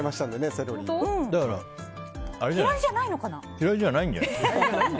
嫌いじゃないんじゃない。